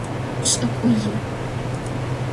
Пшӏыкӏуи.